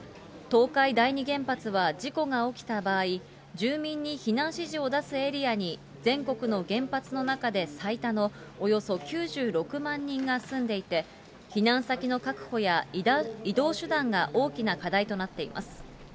東海第二原発は事故が起きた場合、住民に避難指示を出すエリアに全国の原発の中で最多のおよそ９６万人が住んでいて、避難先の確保や移動手段が大きな課題となっています。